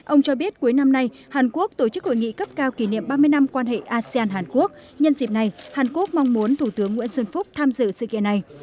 ông cho biết cuối năm nay hàn quốc tổ chức hội nghị cấp cao kỷ niệm ba mươi năm quan hệ asean hàn quốc nhân dịp này hàn quốc mong muốn thủ tướng nguyễn xuân phúc tham dự sự kiện này